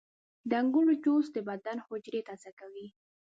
• د انګورو جوس د بدن حجرې تازه کوي.